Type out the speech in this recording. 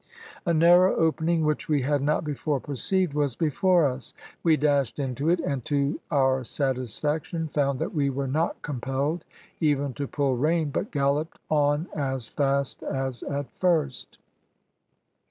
"A narrow opening which we had not before perceived was before us. We dashed into it and to our satisfaction found that we were not compelled even to pull rein, but galloped on as fast as at first.